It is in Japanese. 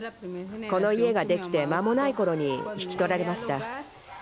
この家が出来て間もないころに引き取られました。